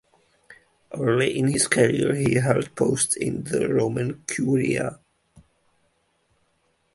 Early in his career he held posts in the Roman Curia.